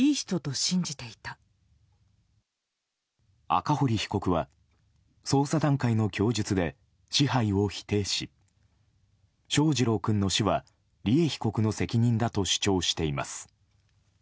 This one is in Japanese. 赤堀被告は、捜査段階の供述で支配を否定し翔士郎君の死は利恵被告の責任だと主張しています。